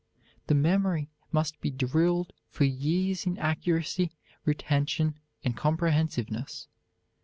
The memory must be drilled for years in accuracy, retention, and comprehensiveness.